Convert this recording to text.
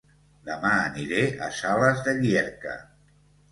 Dema aniré a Sales de Llierca